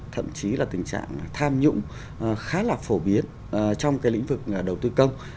thậm chí là tình trạng tham nhũng khá là phổ biến trong lĩnh vực đầu tư công